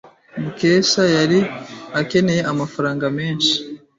Mukesha yari akeneye amafaranga menshi.